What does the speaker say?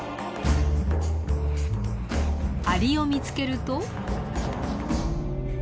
アリを見つけると。